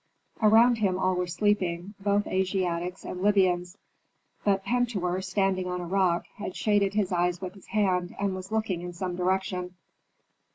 Around him all were sleeping, both Asiatics and Libyans. But Pentuer, standing on a rock, had shaded his eyes with his hand and was looking in some direction.